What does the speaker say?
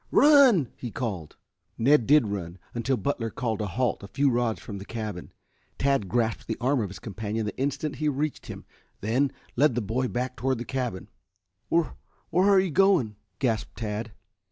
"Run!" he called. Ned did run until Butler called a halt a few rods from the cabin. Tad grasped the arm of his companion the instant he reached him, then led the boy back toward the cabin. "Where, where you going?" gasped Tad.